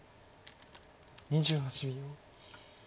２８秒。